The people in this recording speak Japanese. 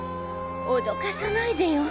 脅かさないでよ